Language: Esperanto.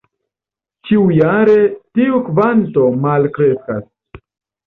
Ĉiujare tiu kvanto malkreskas.